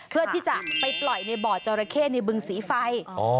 เพื่อที่จะไปปล่อยในบ่อจราเข้ในบึงสีไฟ